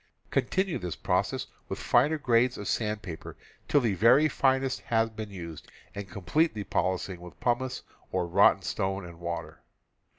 Continue this process with finer grades of sandpaper till the very finest has been used and complete the polishing with pumice or rotten stone and water.